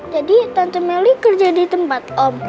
jadi tante meli kerja di tempat om